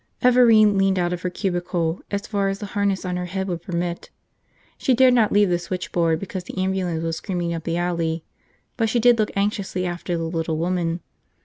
Everine leaned out of her cubicle as far as the harness on her head would permit. She dared not leave the switchboard because the ambulance was screaming up the alley, but she did look anxiously after the little woman.